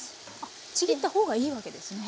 ちぎった方がいいわけですね？